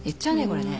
これね。